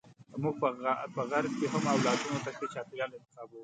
موږ په غرب کې هم اولادونو ته ښه چاپیریال انتخابوو.